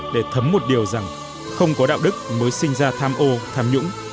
để thấm một điều rằng không có đạo đức mới sinh ra tham ô tham nhũng